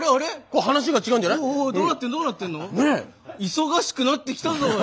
忙しくなってきたぞおい！